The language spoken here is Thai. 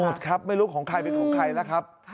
หมดครับไม่รู้ของใครเป็นของใครแล้วครับ